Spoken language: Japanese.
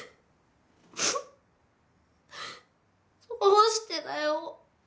どうしてだよ？